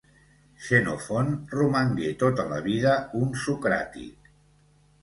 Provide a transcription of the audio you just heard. Xenofont romangué tota la vida un socràtic